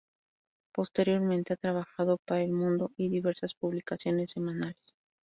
Posteriormente ha trabajado para "El Mundo" y diversas publicaciones semanales.